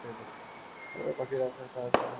চলো, পাখির খাঁচার সামনে যাই।